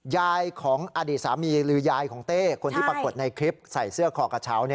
ยายของอดีตสามีหรือยายของเต้คนที่ปรากฏในคลิปใส่เสื้อคอกระเช้า